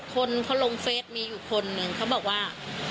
คนเขาลงเฟสมีอยู่คนหนึ่งเขาบอกว่า